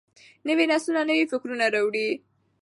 نوي نسلونه نوي فکرونه راوړي.